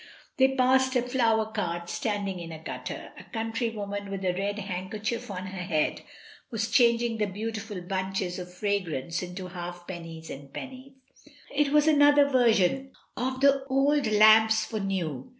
They passed a flower qart standing in a gutter; a country woman with a red handkerchief on her head was changing the beauti ful bunches of fragrance into halfpennies and pennies. It was another version of the old lamps for new.